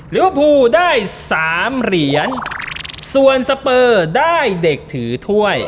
ลิวปูได้๓เหรียญส่วนสเปอร์ได้เด็กถือถ้วย